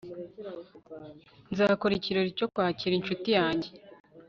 nzakora ikirori cyoKwakira inshuti yanjye